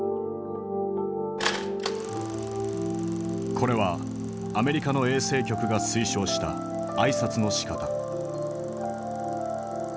これはアメリカの衛生局が推奨した挨拶のしかた。